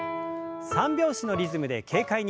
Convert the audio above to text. ３拍子のリズムで軽快に。